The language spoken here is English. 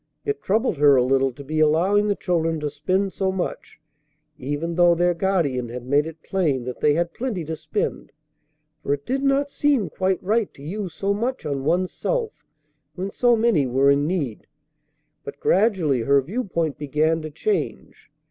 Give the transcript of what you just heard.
It troubled her a little to be allowing the children to spend so much, even though their guardian had made it plain that they had plenty to spend; for it did not seem quite right to use so much on one's self when so many were in need; but gradually her viewpoint began to change.